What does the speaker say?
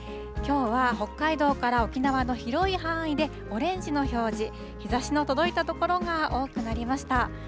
きょうは北海道から沖縄の広い範囲で、オレンジの表示、日ざしの届いた所が多くなりました。